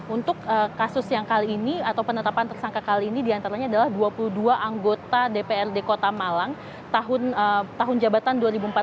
untuk kasus yang kali ini atau penetapan tersangka kali ini diantaranya adalah dua puluh dua anggota dprd kota malang tahun jabatan dua ribu empat belas